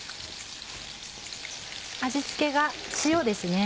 味付けが塩ですね。